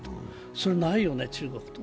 それがないよね、中国にはと。